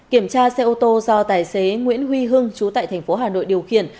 kiểm tra xe ô tô do tài xế nguyễn huy hưng chú tại tp hà nội điều khiển